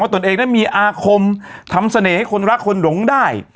ตนเองนั้นมีอาคมทำเสน่ห์ให้คนรักคนหลงได้